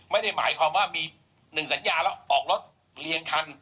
ไม่ได้หมายความว่ามี๑สัญญาแล้วออกรถเรียนคัน